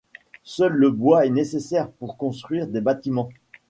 Seul le bois est nécessaire pour construire des bâtiments.